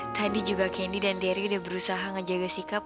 tadi juga candy dan terry udah berusaha ngejaga sikap